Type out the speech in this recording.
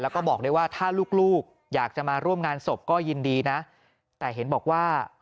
แล้วก็บอกได้ว่าถ้าลูกลูกอยากจะมาร่วมงานศพก็ยินดีนะแต่เห็นบอกว่า